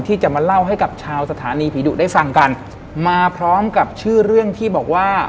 ที่จะมาเล่าให้กับชาวสถานีผีดุได้ฟังกันมาพร้อมกับชื่อเรื่องที่บอกว่า